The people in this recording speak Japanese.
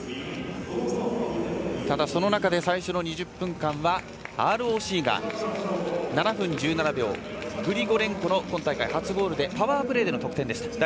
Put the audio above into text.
ただその中で最初の２０分間はＲＯＣが、７分１７秒グリゴレンコの今大会初ゴールでパワープレーでの得点でした。